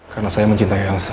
karena saya mencintai elsa